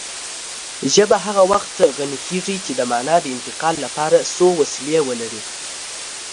ژبه هغه وخت غني کېږي چې د مانا د انتقال لپاره څو وسیلې ولري